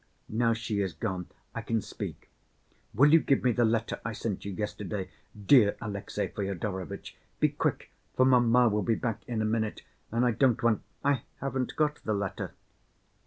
Now she is gone, I can speak; will you give me the letter I sent you yesterday, dear Alexey Fyodorovitch—be quick, for mamma will be back in a minute and I don't want—" "I haven't got the letter."